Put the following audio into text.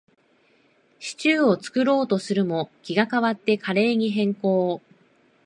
シチューを作ろうとするも、気が変わってカレーに変更